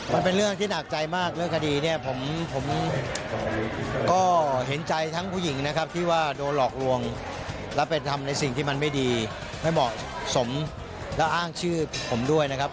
มันเป็นเรื่องที่หนักใจมากเรื่องคดีเนี่ยผมก็เห็นใจทั้งผู้หญิงนะครับที่ว่าโดนหลอกลวงและเป็นทำในสิ่งที่มันไม่ดีไม่เหมาะสมแล้วอ้างชื่อผมด้วยนะครับ